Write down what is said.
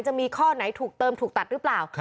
จะมีข้อไหนถูกเติมถูกตัดหรือเปล่า